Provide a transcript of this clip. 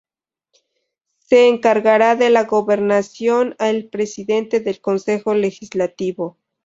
Se encargara de la Gobernación el Presidente del Consejo Legislativo.